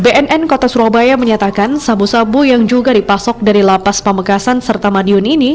bnn kota surabaya menyatakan sabu sabu yang juga dipasok dari lapas pamekasan serta madiun ini